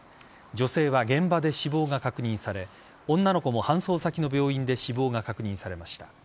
女性は現場で死亡が確認され女の子も搬送先の病院で死亡が確認されました。